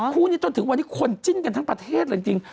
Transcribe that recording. คู่นี้จนถึงวันนี้คนจิ้นกันทั้งประเทศเลยจริง